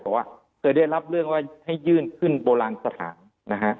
ว่าเคยได้รับเรื่องว่าให้ยื่นขึ้นโบราณสถานนะฮะ